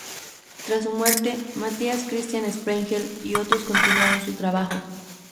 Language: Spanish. Tras su muerte Matthias Christian Sprengel y otros continuaron su trabajo.